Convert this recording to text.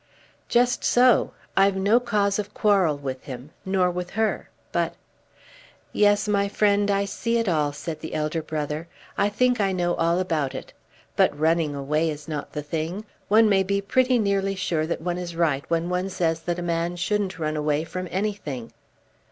"Just so. I've no cause of quarrel with him, nor with her. But ." "Yes, my friend, I see it all," said the elder brother. "I think I know all about it. But running away is not the thing. One may be pretty nearly sure that one is right when one says that a man shouldn't run away from anything."